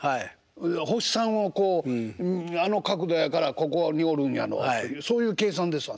星さんをこうあの角度やからここにおるんやろうというそういう計算ですわな。